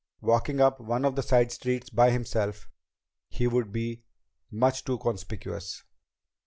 Walking up one of the side streets by himself, he would be much too conspicuous.